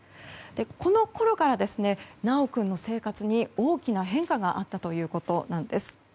このころから修君の生活に大きな変化があったということなんです。